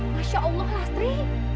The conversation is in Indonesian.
masya allah lastri